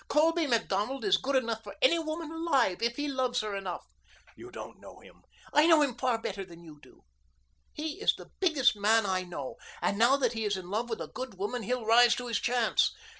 Colby Macdonald is good enough for any woman alive if he loves her enough." "You don't know him." "I know him far better than you do. He is the biggest man I know, and now that he is in love with a good woman he'll rise to his chance."